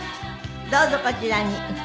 どうぞこちらに。